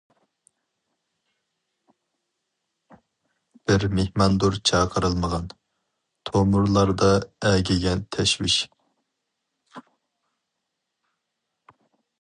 بىر مېھماندۇر چاقىرىلمىغان، تومۇرلاردا ئەگىگەن تەشۋىش.